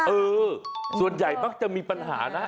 เออส่วนใหญ่มักจะมีปัญหานะ